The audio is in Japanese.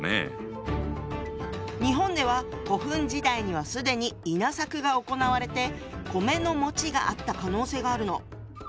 日本では古墳時代には既に稲作が行われて米のがあった可能性があるの。